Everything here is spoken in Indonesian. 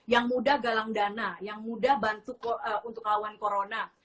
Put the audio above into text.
yang mudah galang dana yang mudah bantu untuk lawan corona